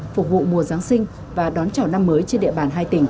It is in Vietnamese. phục vụ mùa giáng sinh và đón chào năm mới trên địa bàn hai tỉnh